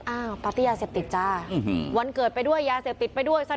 ปาร์ตี้ยาเสพติดจ้าวันเกิดไปด้วยยาเสพติดไปด้วยซะ